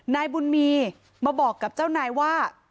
นายบุญมีมาบอกกับเจ้านายว่า